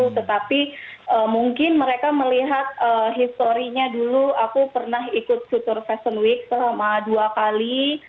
tetapi mungkin mereka melihat historinya dulu aku pernah ikut futur fashion week selama dua kali